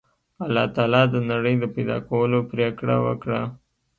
الله تعالی د نړۍ د پیدا کولو پرېکړه وکړه